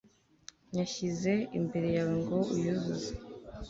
nyashyize imbere yawe ngo uyuzuze